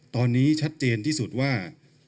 ตอนนี้ชัดเจนที่สุดว่า